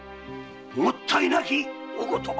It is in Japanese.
もったいなきお言葉！